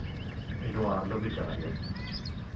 Edoardo Vicario